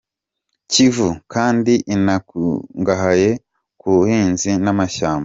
Kivu kandi inakungahaye ku buhinzi n’amashyamba.